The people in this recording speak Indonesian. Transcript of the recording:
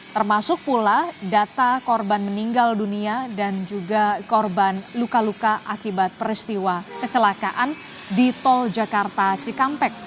termasuk pula data korban meninggal dunia dan juga korban luka luka akibat peristiwa kecelakaan di tol jakarta cikampek